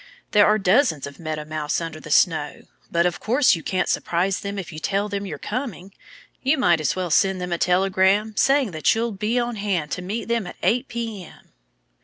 "There are dozens of Meadow Mice under the snow. But of course you can't surprise them if you tell them you're coming. You might as well send them a telegram, saying that you'll be on hand to meet them at eight P. M."